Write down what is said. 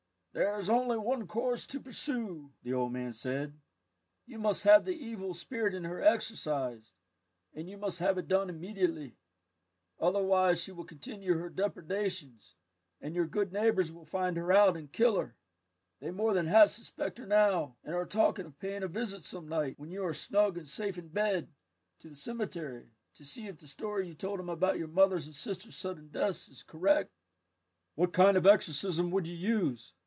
"There is only one course to pursue," the old man said, "you must have the evil spirit in her exorcized, and you must have it done immediately. Otherwise, she will continue her depredations, and your good neighbours will find her out and kill her. They more than half suspect her now, and are talking of paying a visit some night, when you are snug and safe in bed, to the cemetery, to see if the story you told them about your mother's and sisters' sudden deaths is correct." "What kind of exorcism would you use?"